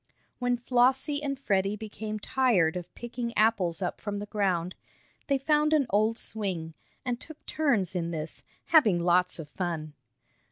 When Flossie and Freddie became tired of picking apples up from the ground, they found an old swing, and took turns in this, having lots of fun.